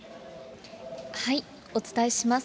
お伝えします。